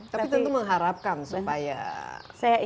tapi tentu mengharapkan supaya